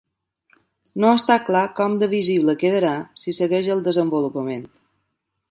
No està clar com de visible quedarà si segueix el desenvolupament.